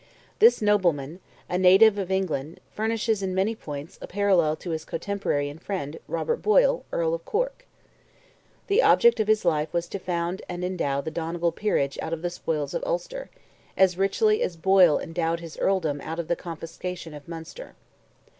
This nobleman, a native of England, furnishes, in many points, a parallel to his cotemporary and friend, Robert Boyle, Earl of Cork. The object of his life was to found and to endow the Donegal peerage out of the spoils of Ulster, as richly as Boyle endowed his earldom out of the confiscation of Munster.